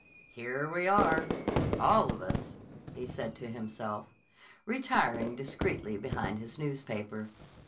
"Here we are, all of us," he said to himself, retiring discreetly behind his newspaper.